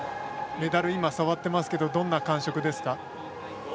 メダル、触っていますけどどんな感触ですか？